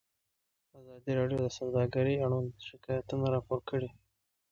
ازادي راډیو د سوداګري اړوند شکایتونه راپور کړي.